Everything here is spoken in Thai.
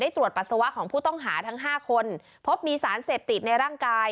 ตรวจปัสสาวะของผู้ต้องหาทั้ง๕คนพบมีสารเสพติดในร่างกาย